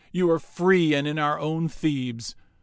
You are free and in our own Thebes.